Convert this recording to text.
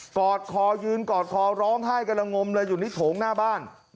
อดคอยืนกอดคอร้องไห้กำลังงมเลยอยู่ในโถงหน้าบ้าน